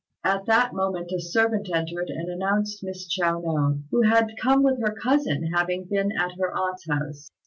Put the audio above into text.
At that moment a servant entered and announced Miss Chiao no, who had come with her cousin, having been at her aunt's house.